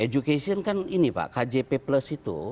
education kan ini pak kjp plus itu